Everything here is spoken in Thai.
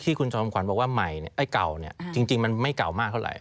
ที่คุณชมขวัญบอกว่าเก่าเนี่ยจริงมันไม่เก่ามากเท่าไร